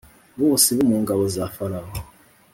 bose bo mu ngabo za Farawo